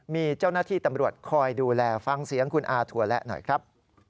มีเจ้าหน้าที่ตำรวจคอยดูแลฟังเสียงคุณอาถั่วและหน่อยครับ